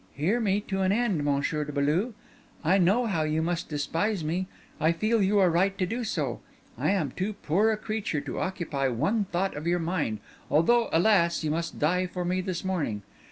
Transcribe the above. "Hear me to an end, Monsieur de Beaulieu. I know how you must despise me; I feel you are right to do so; I am too poor a creature to occupy one thought of your mind, although, alas! you must die for me this morning.